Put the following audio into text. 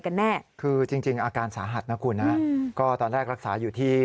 กันแน่คือจริงจริงอาการสาหัสนะคุณนะก็ตอนแรกรักษาอยู่ที่